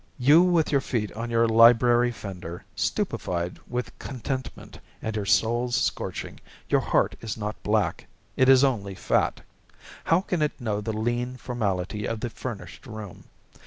You with your feet on your library fender, stupefied with contentment and your soles scorching, your heart is not black; it is only fat. How can it know the lean formality of the furnished room?